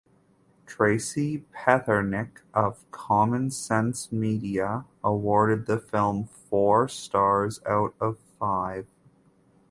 Tracey Petherick of Common Sense Media awarded the film four stars out of five.